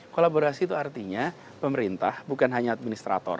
kolaborasi itu artinya pemerintah bukan hanya administrator